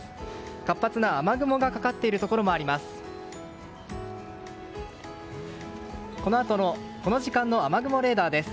活発な雨雲がかかっているところもあります。